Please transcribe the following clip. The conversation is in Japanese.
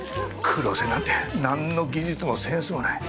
黒瀬なんてなんの技術もセンスもない。